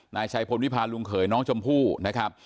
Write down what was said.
นายชัยพลวิพาลุงเขยน้องชมพู่นะครับ